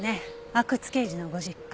阿久津刑事のご実家。